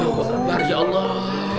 ya allah ya allah